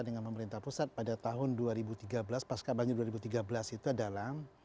dengan pemerintah pusat pada tahun dua ribu tiga belas pas kabarnya dua ribu tiga belas itu adalah